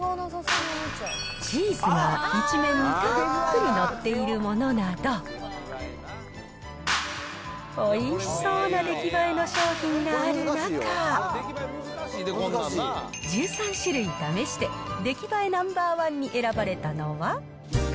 チーズが一面にたっぷり載っているものなど、おいしそうな出来栄えの商品がある中、１３種類試して、出来栄えナンバー１に選ばれたのは。